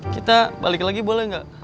kita balik lagi boleh nggak